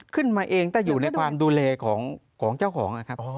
ขึ้นมาเองแต่อยู่ในความดูแลของเจ้าของ